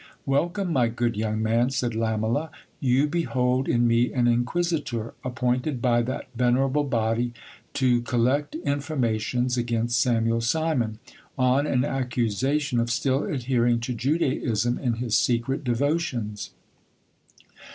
Welcome, my good young man ! said Lamela. EXAMINA TION OF SIMON'S APPRENTICE. 2 1 5 You behold in me an inquisitor, appointed by that venerable body to collect informations against Samuel Simon, on an accusation of still adhering to Juda ism in his secret devotions.